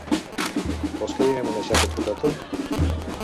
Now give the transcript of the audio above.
Vols que dinem una "jacket potato"?